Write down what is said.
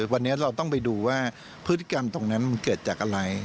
วันนี้เราต้องไปดูว่าพฤติกรรมตรงนั้นมันเกิดจากอะไร